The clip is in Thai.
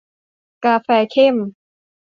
กาแฟเข้ม